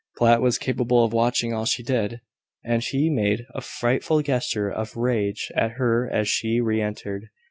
Platt was capable of watching all she did; and he made a frightful gesture of rage at her as she re entered.